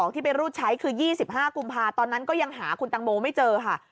ที่ไปรูดใช้คือ๒๕กุมภาคตอนนั้นก็ยังหาคุณตังโมไม่เจอค่ะ